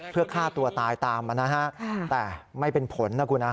เพื่อฆ่าตัวตายตามมานะฮะแต่ไม่เป็นผลนะคุณนะ